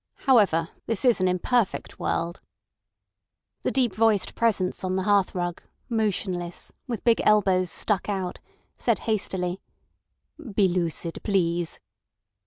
However, this is an imperfect world—" The deep voiced Presence on the hearthrug, motionless, with big elbows stuck out, said hastily: "Be lucid, please."